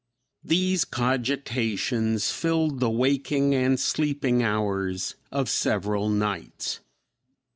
These cogitations filled the waking and sleeping hours of several nights.